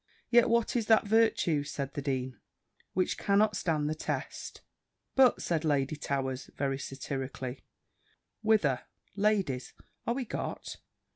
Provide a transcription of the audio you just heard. "Yet, what is that virtue," said the dean, "which cannot stand the test?" "But," said Lady Towers, very satirically, "whither, ladies, are we got?